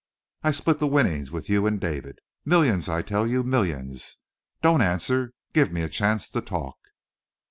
I split the winnings with you and David. Millions, I tell you; millions. Don't answer. Gimme a chance to talk!"